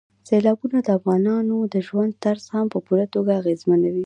سیلابونه د افغانانو د ژوند طرز هم په پوره توګه اغېزمنوي.